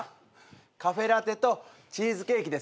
カフェラテとチーズケーキですよね？